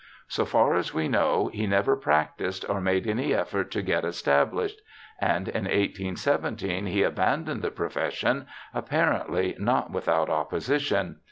So far as we know he never practised or made any effort to get established ; and in 1817 he abandoned the profession, apparently not without opposition.